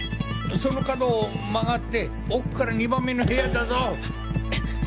その角を曲がって奥から２番目の部屋だぞ！